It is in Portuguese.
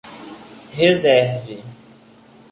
Reserve.